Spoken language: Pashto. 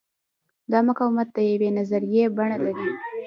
دا مقاومت د یوې نظریې بڼه لري.